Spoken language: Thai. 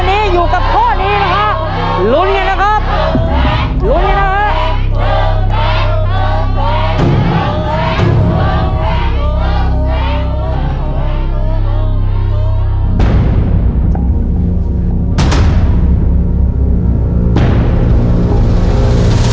ลุนนี่นะครับรุ่นอย่างงี้นะครับ